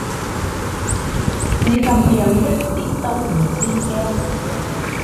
你噉樣一啲都唔知驚